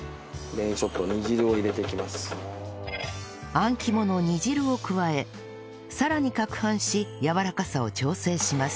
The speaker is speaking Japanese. あん肝の煮汁を加えさらに攪拌しやわらかさを調整します